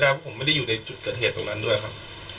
แล้วผมไม่ได้อยู่ในจุดเกิดเหตุตรงนั้นด้วยครับ